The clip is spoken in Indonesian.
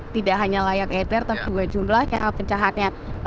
tidak hanya layak edar tapi juga jumlah pencahatnya